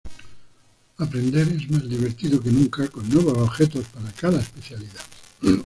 Aprender es más divertido que nunca con nuevos objetos para cada especialidad.